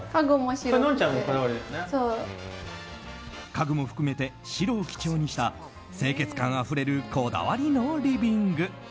家具も含めて白を基調にした清潔感あふれるこだわりのリビング。